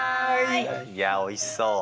いやおいしそう。